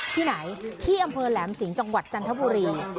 ที่ไหนที่อำเภอแหลมสิงห์จังหวัดจันทบุรี